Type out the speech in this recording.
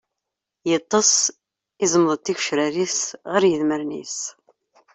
Yeṭṭes, iẓmeḍ-d tigecrar-is ɣer yedmaren-is.